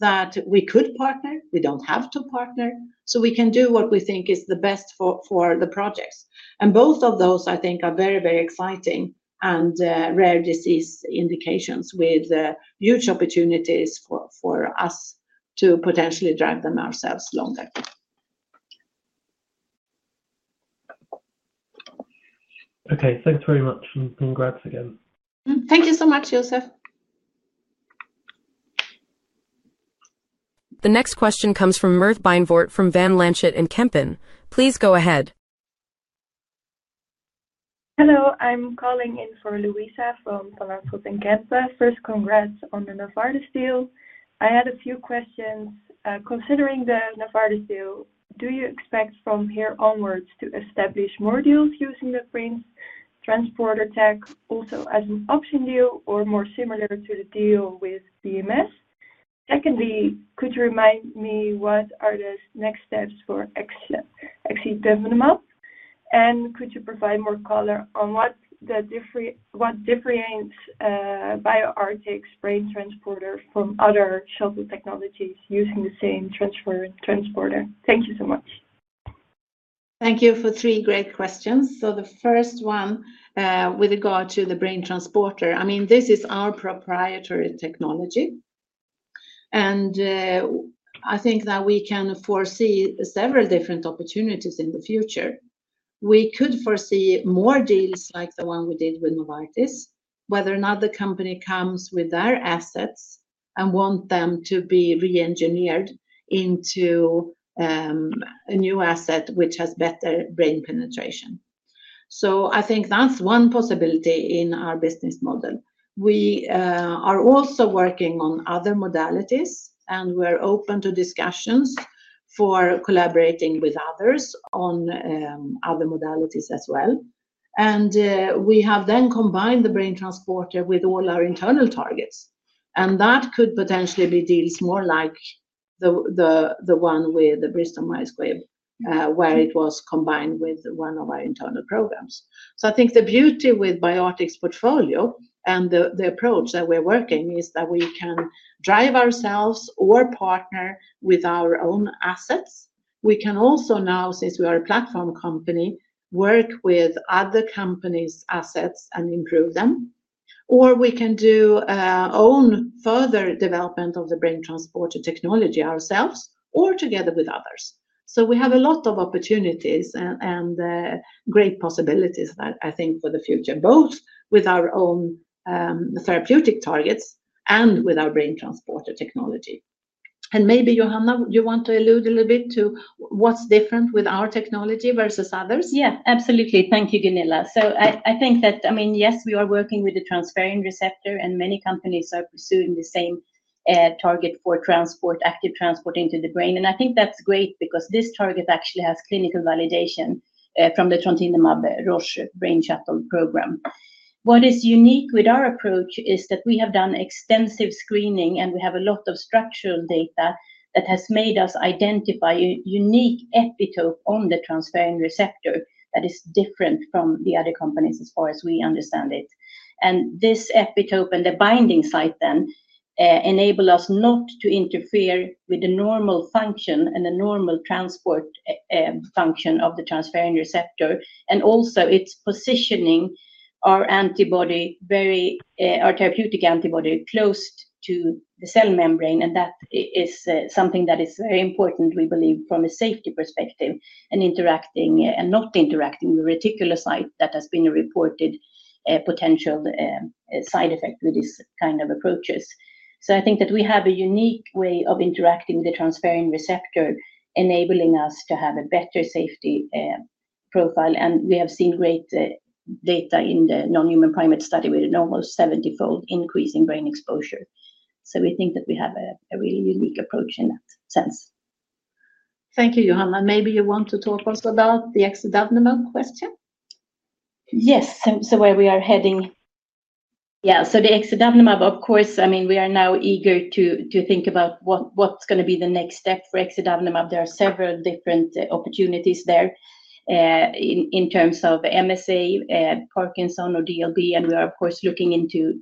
Speaker 2: that we could partner. We don't have to partner. We can do what we think is the best for the projects. Both of those, I think, are very, very exciting and rare disease indications with huge opportunities for us to potentially drive them ourselves longer.
Speaker 8: OK, thanks very much. Congratulations again.
Speaker 2: Thank you so much, Joseph.
Speaker 1: The next question comes from Mirt Bainvoort from Van Lanschot Kempen. Please go ahead.
Speaker 9: Hello. I'm calling in for Luisa from Van Lanschot Kempen. First, congrats on the Novartis deal. I had a few questions. Considering the Novartis deal, do you expect from here onwards to establish more deals using the BrainTransporter technology also as an option deal or more similar to the deal with Bristol Myers Squibb? Secondly, could you remind me what are the next steps for exidavnemab? Could you provide more color on what differentiates BioArctic's BrainTransporter from other shuttle technologies using the same transporter? Thank you so much.
Speaker 2: Thank you for three great questions. The first one with regard to the BrainTransporter, this is our proprietary technology. I think that we can foresee several different opportunities in the future. We could foresee more deals like the one we did with Novartis, whether or not the company comes with their assets and wants them to be re-engineered into a new asset which has better brain penetration. I think that's one possibility in our business model. We are also working on other modalities. We're open to discussions for collaborating with others on other modalities as well. We have then combined the BrainTransporter with all our internal targets. That could potentially be deals more like the one with Bristol Myers Squibb, where it was combined with one of our internal programs. The beauty with BioArctic's portfolio and the approach that we're working is that we can drive ourselves or partner with our own assets. We can also now, since we are a platform company, work with other companies' assets and improve them. We can do our own further development of the BrainTransporter technology ourselves or together with others. We have a lot of opportunities and great possibilities, I think, for the future, both with our own therapeutic targets and with our BrainTransporter technology. Maybe, Johanna, you want to allude a little bit to what's different with our technology versus others?
Speaker 3: Yeah, absolutely. Thank you, Gunilla. I think that, yes, we are working with the transferrin receptor. Many companies are pursuing the same target for active transport into the brain. I think that's great because this target actually has clinical validation from the Trontinemab-Roche brain shuttle program. What is unique with our approach is that we have done extensive screening. We have a lot of structural data that has made us identify a unique epitope on the transferrin receptor that is different from the other companies as far as we understand it. This epitope and the binding site then enable us not to interfere with the normal function and the normal transport function of the transferrin receptor. Also, it's positioning our therapeutic antibody close to the cell membrane. That is something that is very important, we believe, from a safety perspective and not interacting with reticulocytes. That has been a reported potential side effect with these kinds of approaches. I think that we have a unique way of interacting with the transferrin receptor, enabling us to have a better safety profile. We have seen great data in the non-human primate study with an almost 70-fold increase in brain exposure. We think that we have a really unique approach in that sense.
Speaker 2: Thank you, Johanna. Maybe you want to talk also about the exidavnemab question?
Speaker 3: Yes, where we are heading? Yes, the exidavnemab, of course, I mean, we are now eager to think about what's going to be the next step for exidavnemab. There are several different opportunities there in terms of multiple system atrophy, Parkinson, or DLB. We are, of course, looking into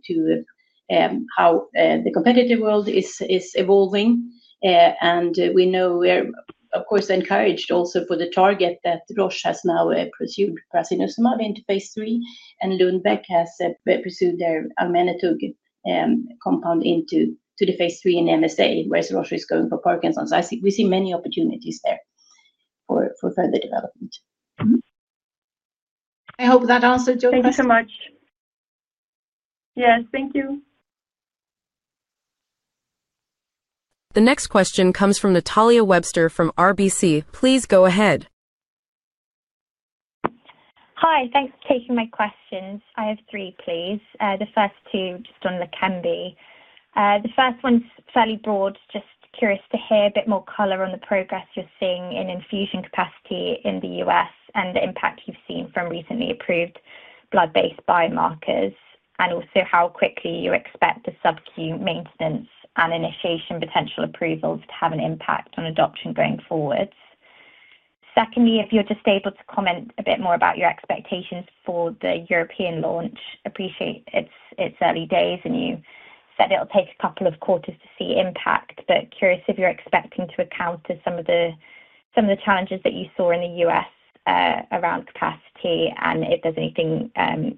Speaker 3: how the competitive world is evolving. We know we're, of course, encouraged also for the target that Roche has now pursued prasinuzumab into phase III. Lundbeck has pursued their almanitogib compound into phase III in multiple system atrophy, whereas Roche is going for Parkinson. We see many opportunities there for further development.
Speaker 2: I hope that answered your question.
Speaker 9: Thank you so much. Yes, thank you.
Speaker 1: The next question comes from Natalia Webster from RBC. Please go ahead.
Speaker 10: Hi, thanks for taking my questions. I have three, please. The first two just on Leqembi. The first one's fairly broad. Just curious to hear a bit more color on the progress you're seeing in infusion capacity in the U.S. and the impact you've seen from recently approved blood-based biomarkers, and also how quickly you expect the subcutaneous maintenance and initiation potential approvals to have an impact on adoption going forward. Secondly, if you're just able to comment a bit more about your expectations for the European launch, I appreciate it's early days and you said it'll take a couple of quarters to see impact. I'm curious if you're expecting to account for some of the challenges that you saw in the U.S. around capacity and if there's anything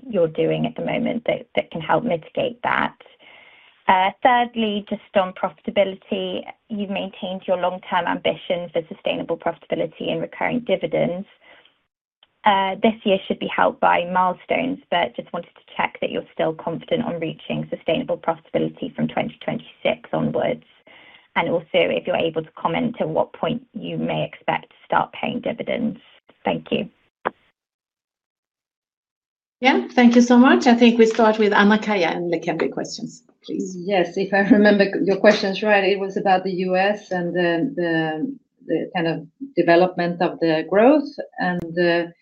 Speaker 10: you're doing at the moment that can help mitigate that. Thirdly, just on profitability, you've maintained your long-term ambition for sustainable profitability and recurring dividends. This year should be helped by milestone payments, but just wanted to check that you're still confident on reaching sustainable profitability from 2026 onwards. Also, if you're able to comment on what point you may expect to start paying dividends. Thank you.
Speaker 2: Yeah, thank you so much. I think we start with Anna-Kaija and Leqembi questions, please.
Speaker 4: Yes, if I remember your questions right, it was about the U.S. and the kind of development of the growth and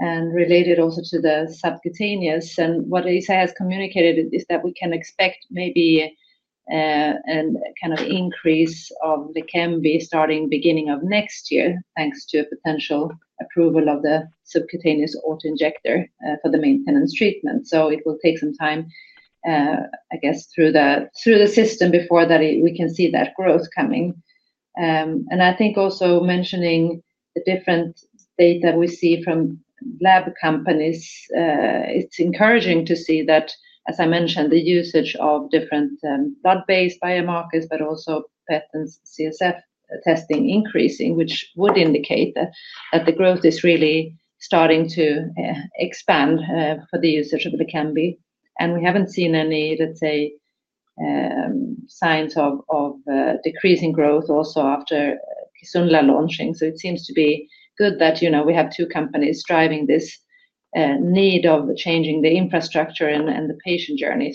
Speaker 4: related also to the subcutaneous. What Eisai has communicated is that we can expect maybe a kind of increase of Leqembi starting the beginning of next year, thanks to a potential approval of the subcutaneous auto-injector for the maintenance treatment. It will take some time, I guess, through the system before we can see that growth coming. I think also mentioning the different data we see from lab companies, it's encouraging to see that, as I mentioned, the usage of different blood-based biomarkers, but also PET and CSF testing increasing, which would indicate that the growth is really starting to expand for the usage of Leqembi. We haven't seen any, let's say, signs of decreasing growth also after Sunla launching. It seems to be good that we have two companies driving this need of changing the infrastructure and the patient journey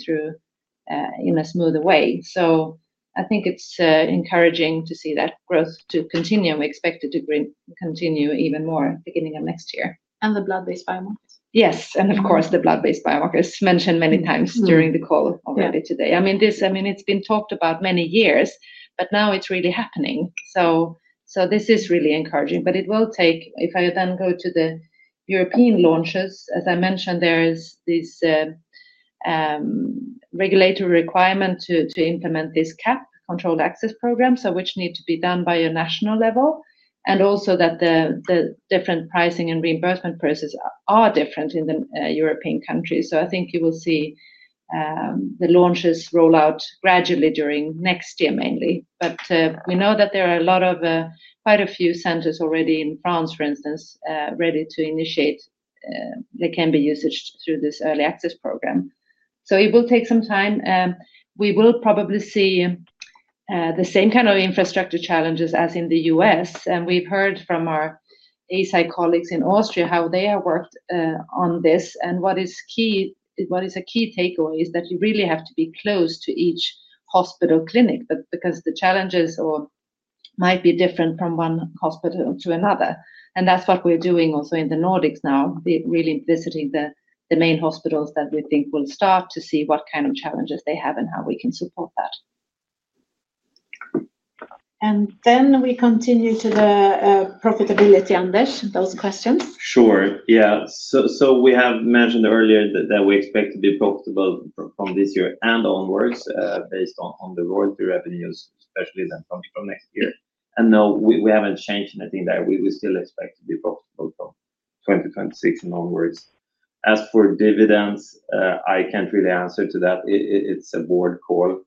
Speaker 4: in a smoother way. I think it's encouraging to see that growth to continue. We expect it to continue even more at the beginning of next year. The blood-based biomarkers, yes, and of course, the blood-based biomarkers mentioned many times during the call already today. I mean, it's been talked about many years, but now it's really happening. This is really encouraging. It will take, if I then go to the European launches, as I mentioned, there is this regulatory requirement to implement this CAP, Controlled Access Program, which needs to be done by a national level. Also, the different pricing and reimbursement processes are different in the European countries. I think you will see the launches roll out gradually during next year mainly. We know that there are quite a few centers already in France, for instance, ready to initiate Leqembi usage through this early access program. It will take some time. We will probably see the same kind of infrastructure challenges as in the U.S. We've heard from our Eisai colleagues in Austria how they have worked on this. What is a key takeaway is that you really have to be close to each hospital clinic because the challenges might be different from one hospital to another. That's what we're doing also in the Nordics now, really visiting the main hospitals that we think will start to see what kind of challenges they have and how we can support that.
Speaker 2: We continue to the profitability, Anders, those questions.
Speaker 5: Sure, yeah. We have mentioned earlier that we expect to be profitable from this year and onwards based on the royalty revenues, especially that comes from next year. No, we haven't changed anything there. We still expect to be profitable from 2026 and onwards. As for dividends, I can't really answer to that. It's a board call.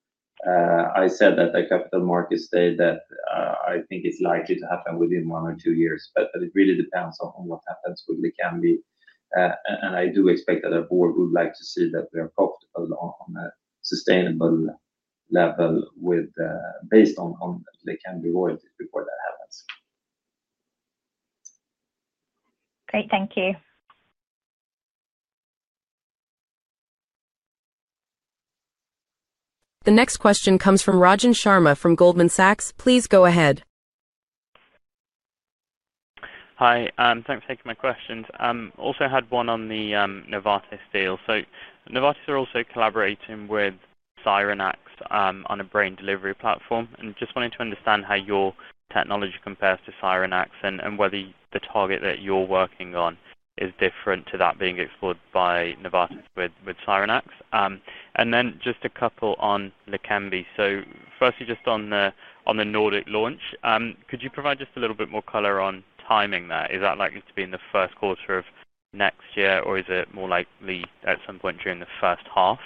Speaker 5: I said at the capital markets day that I think is likely to happen within one or two years. It really depends on what happens with Leqembi. I do expect that our board would like to see that we are profitable on a sustainable level based on Leqembi royalty before that happens.
Speaker 10: Great, thank you.
Speaker 1: The next question comes from Rajan Sharma from Goldman Sachs. Please go ahead.
Speaker 11: Hi, thanks for taking my questions. I also had one on the Novartis deal. Novartis are also collaborating with Cyrenax on a brain delivery platform. I just wanted to understand how your technology compares to Cyrenax and whether the target that you're working on is different to that being explored by Novartis with Cyrenax. I have just a couple on Leqembi. Firstly, just on the Nordic launch, could you provide just a little bit more color on timing there? Is that likely to be in the first quarter of next year or is it more likely at some point during the first half?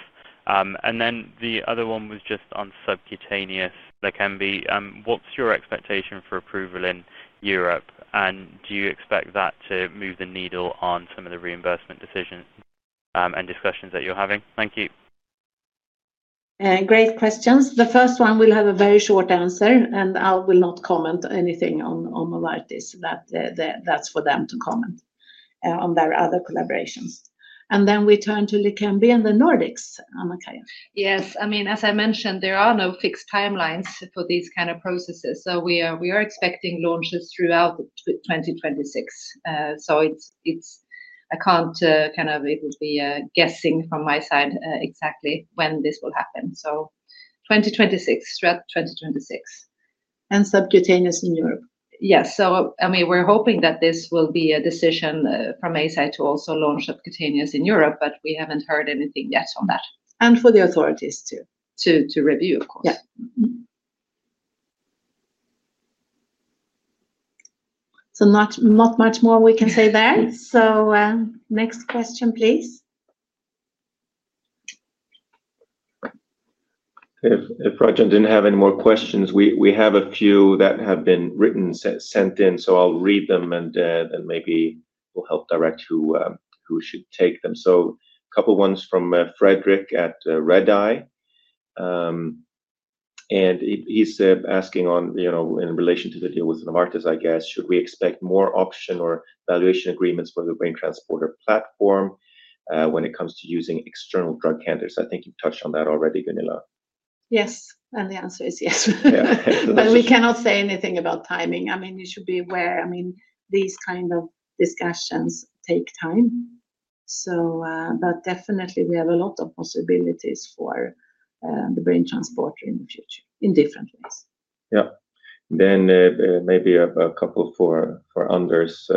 Speaker 11: The other one was just on subcutaneous Leqembi. What's your expectation for approval in Europe? Do you expect that to move the needle on some of the reimbursement decisions and discussions that you're having? Thank you.
Speaker 2: Great questions. The first one, we'll have a very short answer. I will not comment anything on Novartis. That's for them to comment on their other collaborations. Then we turn to Leqembi and the Nordics, Anna-Kaija.
Speaker 4: Yes, I mean, as I mentioned, there are no fixed timelines for these kind of processes. We are expecting launches throughout 2026. I can't kind of, it would be guessing from my side exactly when this will happen. 2026, throughout 2026. Subcutaneous in Europe, yes, so I mean, we're hoping that this will be a decision from Eisai to also launch subcutaneous in Europe. We haven't heard anything yet on that, and for the authorities to review, of course.
Speaker 2: Not much more we can say there. Next question, please.
Speaker 6: If Rajan didn't have any more questions, we have a few that have been written, sent in. I'll read them and maybe we'll help direct who should take them. A couple of ones from Frederick at RedEye. He's asking in relation to the deal with Novartis, I guess, should we expect more option or valuation agreements for the BrainTransporter platform when it comes to using external drug candidates? I think you touched on that already, Gunilla.
Speaker 2: Yes, the answer is yes. We cannot say anything about timing. You should be aware these kind of discussions take time. We definitely have a lot of possibilities for the BrainTransporter in the future in different ways.
Speaker 6: Yeah. Maybe a couple for Anders.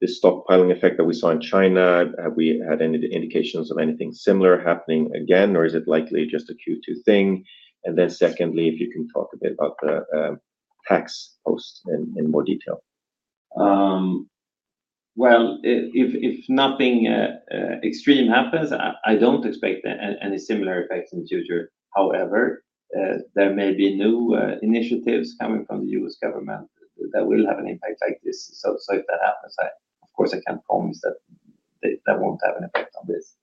Speaker 6: The stockpiling effect that we saw in China, have we had any indications of anything similar happening again or is it likely just a Q2 thing? If you can talk a bit about the tax post in more detail.
Speaker 5: If nothing extreme happens, I don't expect any similar effects in the future. However, there may be new initiatives coming from the U.S. government that will have an impact like this. If that happens, of course, I can't promise that it won't have an effect on this.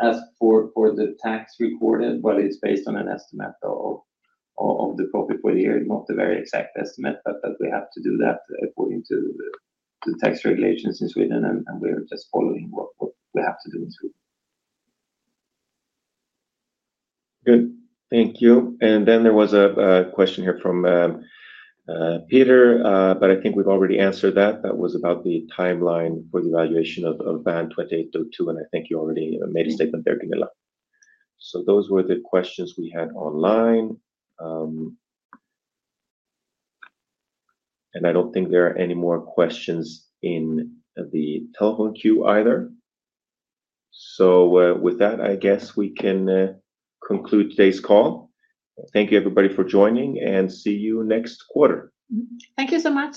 Speaker 5: As for the tax recorded, it's based on an estimate of the profit per year, not a very exact estimate. We have to do that according to the tax regulations in Sweden, and we're just following what we have to do.
Speaker 6: Good. Thank you. There was a question here from Peter, but I think we've already answered that. That was about the timeline for the evaluation of BAN2802. I think you already made a statement there, Gunilla. Those were the questions we had online. I don't think there are any more questions in the telephone queue either. With that, I guess we can conclude today's call. Thank you, everybody, for joining. See you next quarter.
Speaker 2: Thank you so much.